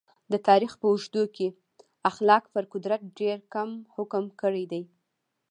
د تاریخ په اوږدو کې اخلاق پر قدرت ډېر کم حکم کړی دی.